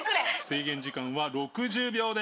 制限時間は６０秒です。